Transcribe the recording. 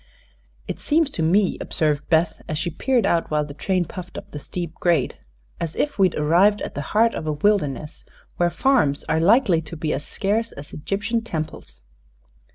"It seems to me," observed Beth, as she peered out while the train puffed up the steep grade, "as if we'd arrived at the heart of a wilderness, where farms are likely to be as scarce as Egyptian temples."